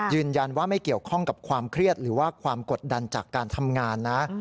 ยืนยันว่าไม่เกี่ยวข้องกับความเครียดหรือว่าความกดดันจากการทำงานนะ